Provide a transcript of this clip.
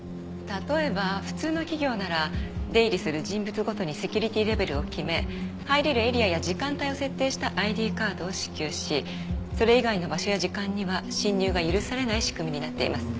例えば普通の企業なら出入りする人物ごとにセキュリティーレベルを決め入れるエリアや時間帯を設定したＩＤカードを支給しそれ以外の場所や時間には侵入が許されない仕組みになっています。